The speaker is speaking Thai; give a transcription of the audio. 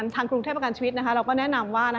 ทางกรุงเทพประกันชีวิตเราก็แนะนำว่า